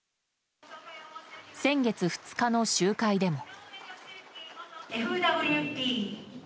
先月２日の集会でも。